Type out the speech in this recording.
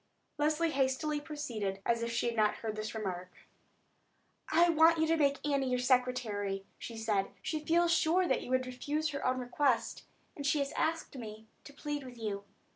Leslie hastily proceeded, as if she had not heard this remark. "I want you to make Annie your secretary," she said. "She feels sure that you would refuse her own request, and she has asked me to plead with you.